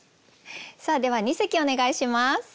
では二席お願いします。